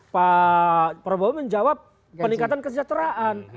pak prabowo menjawab peningkatan kesejahteraan